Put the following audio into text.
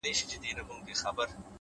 خپل ارزښت په کړنو وښایئ؛